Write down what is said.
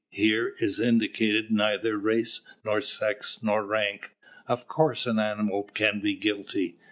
Here is indicated neither race nor sex nor rank: of course an animal can be guilty.